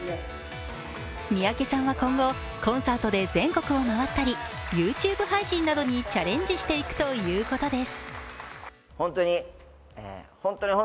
三宅さんは今後、コンサートで全国を回ったりＹｏｕＴｕｂｅ配信などにチャレンジしていくということです。